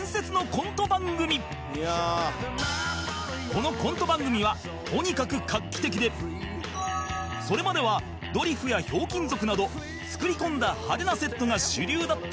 このコント番組はとにかく画期的でそれまではドリフやひょうきん族など作り込んだ派手なセットが主流だった中